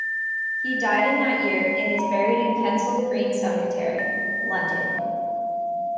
He died in that year and is buried in Kensal Green Cemetery, London.